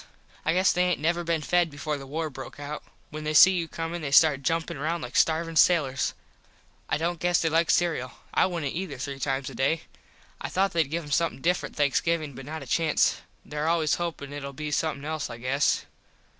I guess they aint never been fed before the war broke out. When they see you comin they start jumpin round like starvin sailurs. I dont guess they like cereul. I wouldnt ether three times a day. I thought theyd give em somethin different Thanksgivin but not a chance. There always hopin it ull be somethin else I guess.